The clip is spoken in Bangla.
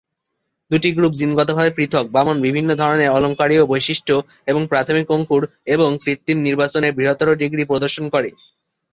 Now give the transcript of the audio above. দুটি গ্রুপ জিনগতভাবে পৃথক, বামন বিভিন্ন ধরণের অলঙ্কারীয় বৈশিষ্ট্য এবং প্রাথমিক অঙ্কুর এবং কৃত্রিম নির্বাচনের বৃহত্তর ডিগ্রি প্রদর্শন করে।